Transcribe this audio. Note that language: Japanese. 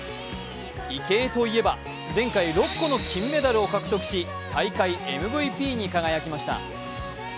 池江といえば前回６個の金メダルを獲得し大会ＭＶＰに輝きました。